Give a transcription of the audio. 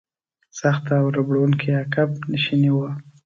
سخته او ربړونکې عقب نشیني وه.